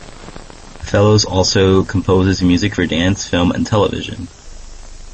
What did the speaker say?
Fellows also composes music for dance, film and television.